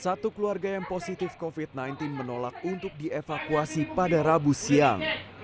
satu keluarga yang positif covid sembilan belas menolak untuk dievakuasi pada rabu siang